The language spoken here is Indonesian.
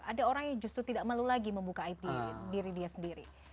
ada orang yang justru tidak malu lagi membuka aib di diri dia sendiri